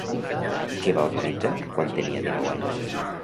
Què va organitzar quan tenia dinou anys?